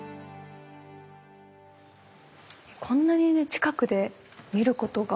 こんなにね近くで見ることが。